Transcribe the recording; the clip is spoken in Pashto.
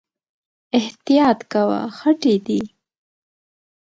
احتياط کوه، خټې دي